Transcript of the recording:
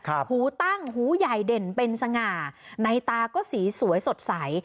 หูตั้งหูใหญ่เด่นเป็นสง่าในตาก็สีสวยสดใส